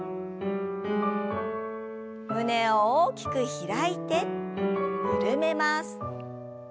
胸を大きく開いて緩めます。